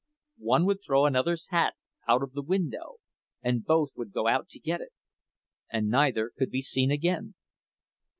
One would throw another's hat out of the window, and both would go out to get it, and neither could be seen again.